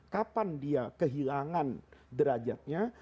kapan dia kehilangan derajatnya